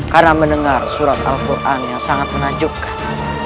karena mendengar surat al quran yang sangat menajubkan